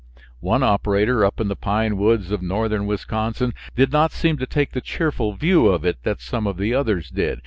One operator, up in the pine woods of northern Wisconsin, did not seem to take the cheerful view of it that some of the others did.